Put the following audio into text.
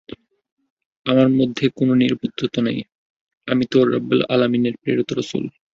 আমার মধ্যে কোন নির্বুদ্ধিতা নেই, আমি তো রাব্বুল আলামীনের প্রেরিত রাসূল।